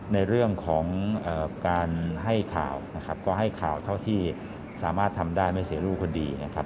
ในเรื่องของการให้ข่าวนะครับก็ให้ข่าวเท่าที่สามารถทำได้ไม่เสียรูปคดีนะครับ